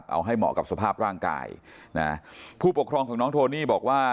เอาให้เหมาะกับสภาพร่างกายนะผู้ปกครองของน้องโทนี่บอกว่า